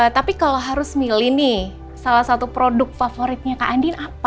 tapi kalau harus milih nih salah satu produk favoritnya kak andin apa